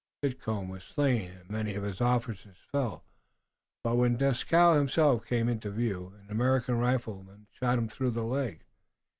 Titcomb was slain and many of his officers fell, but when Dieskau himself came into view an American rifleman shot him through the leg.